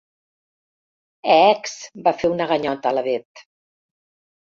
Eeecs! —va fer una ganyota la Bet.